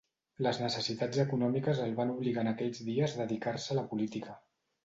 Les necessitats econòmiques el van obligar en aquells dies dedicar-se a la política.